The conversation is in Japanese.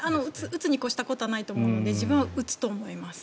打つに越したことはないと思うので自分は打つと思います。